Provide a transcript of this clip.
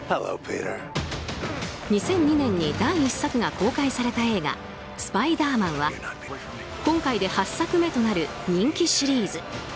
２００２年に第１作が公開された映画「スパイダーマン」は今回で８作目となる人気シリーズ。